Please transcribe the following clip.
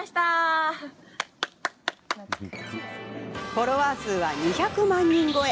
フォロワー数は２００万人超え！